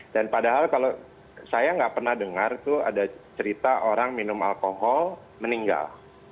dan padahal kalau saya tidak pernah dengar itu ada cerita orang minum alkohol meninggal